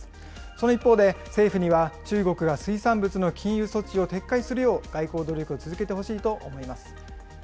その一方で、政府には中国が水産物の金融措置を撤回するよう外交努力を続けてほしいと思います。